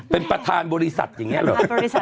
เป็นประธานบริษัทอย่างนี้เหรอ